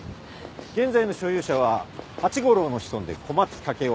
現在の所有者は八五郎の子孫で小松武雄。